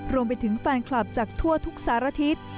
รวมไปถึงแฟนคลับจากทั่วทุกสารทิศ